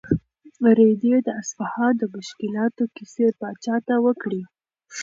رېدي د اصفهان د مشکلاتو کیسې پاچا ته وکړې.